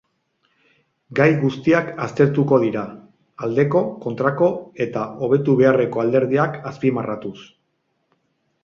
Gai guztiak aztertuko dira, aldeko, kontrako eta hobetu beharreko alderdiak azpimarratuz.